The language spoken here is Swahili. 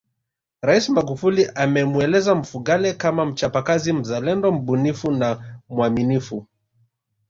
Rais Magufuli amemweleza Mfugale kama mchapakazi mzalendo mbunifu na mwaminifu